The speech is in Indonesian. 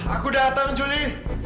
aku datang juli